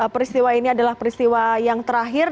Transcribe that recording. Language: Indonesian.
peristiwa ini adalah peristiwa yang terakhir